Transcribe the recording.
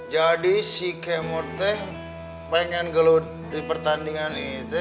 jadi si kemot teh pengen gelut di pertandingan ini